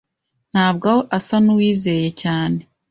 ntabwo asa nuwizeye cyane.